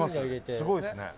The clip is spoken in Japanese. すごいですね。